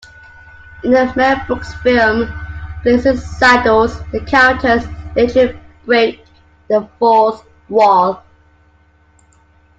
In the Mel Brooks film "Blazing Saddles", the characters literally break the fourth wall.